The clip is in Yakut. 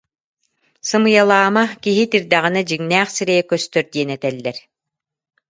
Сымыйалаама, киһи итирдэҕинэ дьиҥнээх сирэйэ көстөр диэн этэллэр